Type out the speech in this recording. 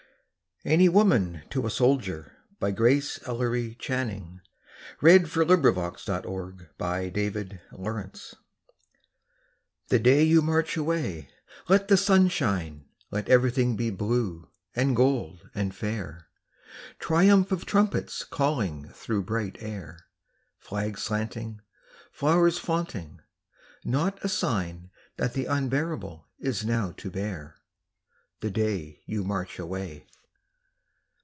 ANY WOMAN TO A SOLDIER GRACE ELLERY CHANNING [Sidenote: 1917, 1918] The day you march away let the sun shine, Let everything be blue and gold and fair, Triumph of trumpets calling through bright air, Flags slanting, flowers flaunting not a sign That the unbearable is now to bear, The day you march away.